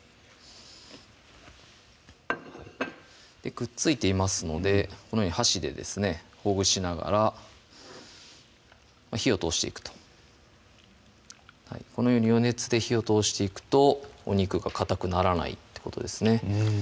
くっついていますのでこのように箸でですねほぐしながら火を通していくとこのように余熱で火を通していくとお肉がかたくならないってことですね